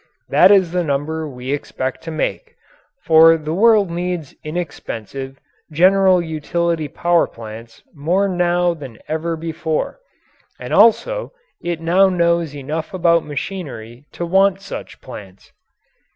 That is the number we expect to make for the world needs inexpensive, general utility power plants more now than ever before and also it now knows enough about machinery to want such plants.